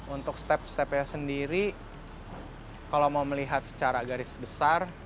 untuk step stepnya sendiri kalau mau melihat secara garis besar